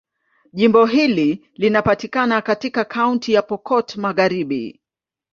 Jimbo hili linapatikana katika Kaunti ya Pokot Magharibi.